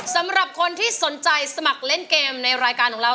สำหรับคนที่สนใจสมัครเล่นเกมในรายการของเรา